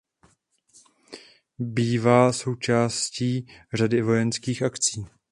Bývá součástí řady vojenských akcí.